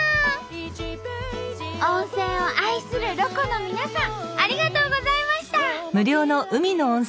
温泉を愛するロコの皆さんありがとうございました！